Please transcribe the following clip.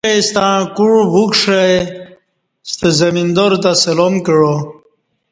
ییں پݜئ ستݩع کوع وُکشہ ستہ زمیندار تہ سلام کعا